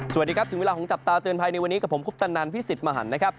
สวัสดีครับถึงเวลาของจับตาเตือนภัยในวันนี้กับผมคุปตนันพี่สิทธิ์มหันนะครับ